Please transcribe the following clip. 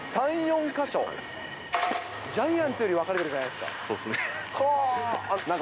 ジャイアンツより分かれてるじゃないですか。